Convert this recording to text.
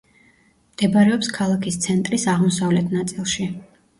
მდებარეობს ქალაქის ცენტრის აღმოსავლეთ ნაწილში.